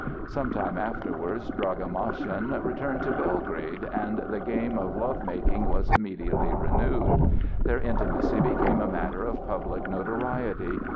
Some time afterwards Draga Maschin returned to Belgrade, and the game of love making was immediately renewed. Their intimacy became a matter of public notoriety.